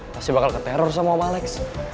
pasti bakal ke teror sama omar x